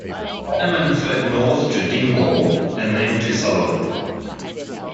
Bannerman fled north to Dingwall and then to Sutherland.